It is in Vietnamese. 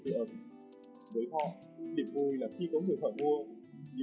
đối với họ điểm vui là khi có người phải mua